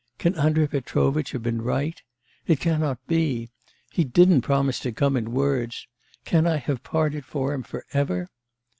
Can Andrei Petrovitch have been right? It cannot be... He didn't promise to come in words... Can I have parted from him for ever